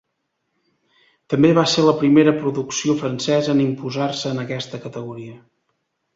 També va ser la primera producció francesa en imposar-se en aquesta categoria.